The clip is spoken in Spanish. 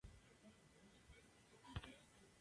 Shiro va a volver!